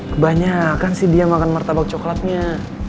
kebanyakan sih dia makan martabak coklatnya